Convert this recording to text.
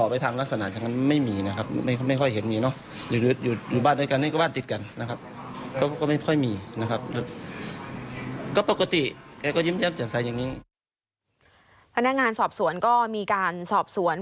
พนักงานสอบสวนก็มีการสอบสวน